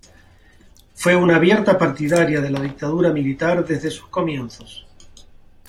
Fue una abierta partidaria de la dictadura militar desde sus comienzos.